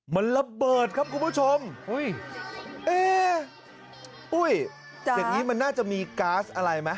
มันระเบิดครับคุณผู้ชมอุ้ยอุ้ยสิ่งนี้มันน่าจะมีก๊าซอะไรมั้ย